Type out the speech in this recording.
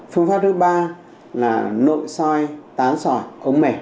phương pháp thứ ba là nội soi tán sỏi ống mẻ